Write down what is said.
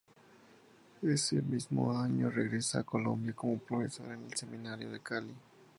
Ese mismo año regresa a Colombia como profesor en el seminario de Cali.